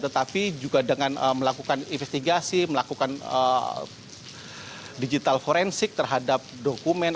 tetapi juga dengan melakukan investigasi melakukan digital forensik terhadap dokumen